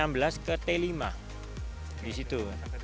ada sekitar tujuh sektor ya di situ